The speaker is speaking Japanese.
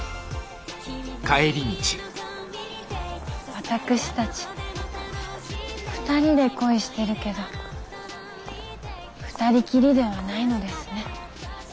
私たち二人で恋してるけど二人きりではないのですね。